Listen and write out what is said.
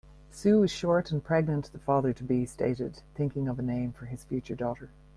"Sue is short and pregnant", the father-to-be stated, thinking of a name for his future daughter.